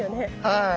はい。